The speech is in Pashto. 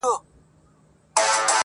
• د خلوت له الاهو څخه سرسام سو -